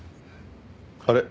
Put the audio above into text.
あれ？